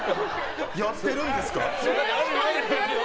やってるんですか？